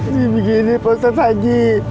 ini begini bapak